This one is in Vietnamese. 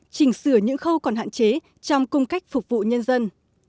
chỉnh sửa những khâu còn hạn chế trong cung cách phục vụ nhân dân